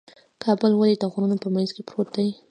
کابل ولې د غرونو په منځ کې پروت دی؟